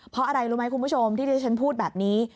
เพราะอะไรรู้ไหมคุณผู้ชมที่ที่ฉันพูดแบบนี้